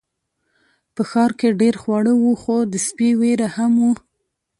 په ښار کې ډیر خواړه وو خو د سپي ویره هم وه.